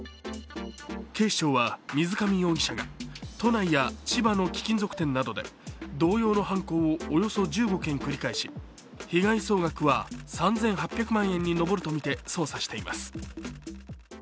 警視庁は水上容疑者が都内や千葉の貴金属店で同様の犯行をおよそ１５件繰り返し、被害総額は３８００万円に上るとみて捜査しています。